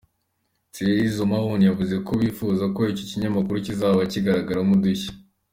Thierry Zomahoun yavuze ko bifuza ko icyo kinyamakuru kizaba kigaragaramo udushya.